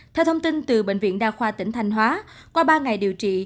theo thông tin từ bệnh viện đa khoa tỉnh thanh hóa qua ba ngày điều trị